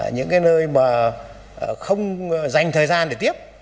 những cái nơi mà không dành thời gian để tiếp